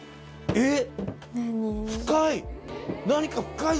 えっ？